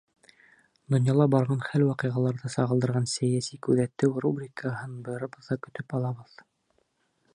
Донъяла барған хәл-ваҡиғаларҙы сағылдырған «Сәйәси күҙәтеү» рубрикаһын барыбыҙ ҙа көтөп алабыҙ.